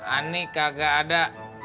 ani kagak ada